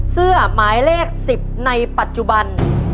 เสื้อหมายเลข๑๐ในปัจจุบัน